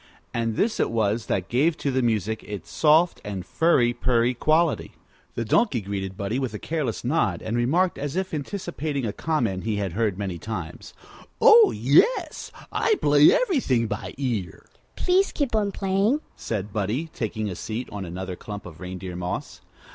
And this it was that gave to the music its soft and furry purry quality. The Donkey greeted Buddie with a careless nod, and remarked, as if anticipating a comment he had heard many times: "Oh, yes; I play everything by ear." "Please keep on playing," said Buddie, taking a seat on another clump of reindeer moss.